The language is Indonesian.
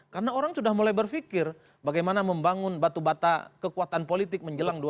karena orang sudah mulai berfikir bagaimana membangun batu bata kekuatan politik menjelang dua ribu dua puluh empat